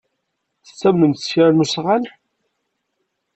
Tettamnem s kra n usɣan?